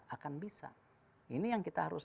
akan bisa ini yang kita harus